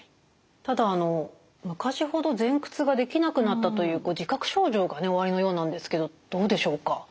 ただ昔ほど前屈ができなくなったという自覚症状がおありのようなんですけどどうでしょうか？